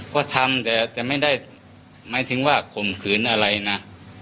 เพราะทำแต่แต่ไม่ได้ไม่ถึงว่าคมขืนอะไรนะ